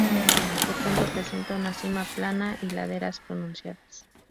Por tanto, presenta una cima plana y laderas pronunciadas.